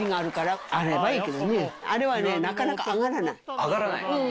揚がらない。